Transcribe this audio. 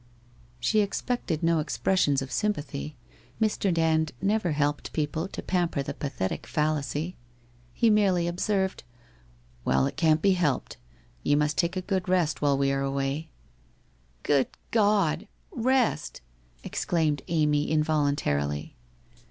She expected no expressions of sympathy. Mr. Dand never helped people to pamper the pathetic fallacy. He merely observed, 'Well, it can't be helped. You must take a good rest while we are away/ * Good God ! Pest !' exclaimed Amy involuntarily.